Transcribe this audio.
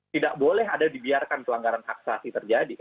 tidak boleh ada dibiarkan pelanggaran hak asasi terjadi